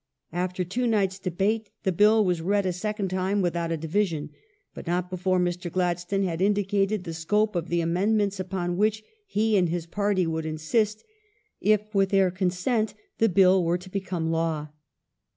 After two nights' debate the Bill was read a second time without a division, but not before Mr. Gladstone had indicated the scope of the amendments upon which he and his party would insist, if with their consent, the Bill were to become law.